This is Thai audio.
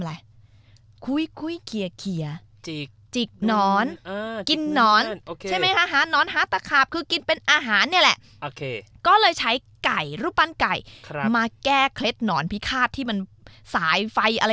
ลูกปั้นอ่ะลูกปั้นม้าตัวโตอ่ะ